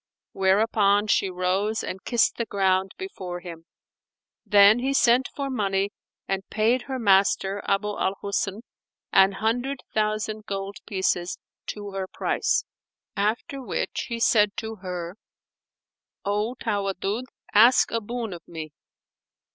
whereupon she rose and kissed the ground before him. Then he sent for money and paid her master Abu al Husn an hundred thousand gold pieces to her price; after which he said to her, "O Tawaddud, ask a boon of me!"